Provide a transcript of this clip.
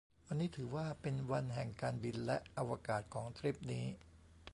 วันนี้ถือว่าเป็นวันแห่งการบินและอวกาศของทริปนี้